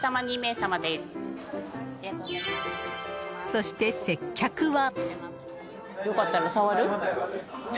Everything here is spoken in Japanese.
そして、接客は。